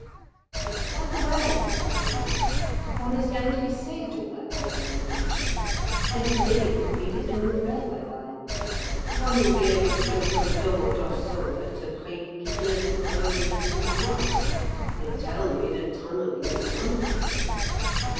"By the way," I remarked, "one is going to be saved all that bother in the future. They have nearly completed the new railway line. One will be able to go from Domo d'Orsola to Brieg in a little over the two hours. They tell me the tunnelling is wonderful."